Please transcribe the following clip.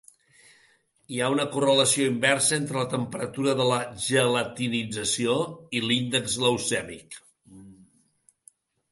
Hi ha una correlació inversa entre la temperatura de gelatinització i l'índex glucèmic.